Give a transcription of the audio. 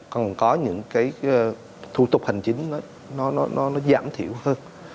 còn có những cái thủ tục hành chính nó giảm thiểu hơn